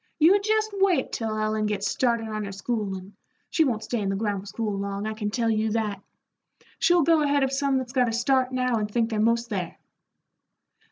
You jest wait till Ellen gets started on her schoolin' she won't stay in the grammar school long, I can tell you that. She'll go ahead of some that's got a start now and think they're 'most there."